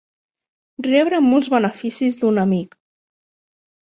Rebre molts beneficis d'un amic.